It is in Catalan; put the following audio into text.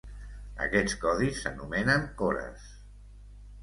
Aquests codis s'anomenen cores.